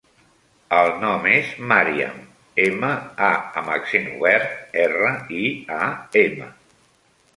El nom és Màriam: ema, a amb accent obert, erra, i, a, ema.